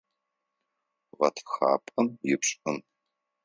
Гъэтхапэм ипшӏым.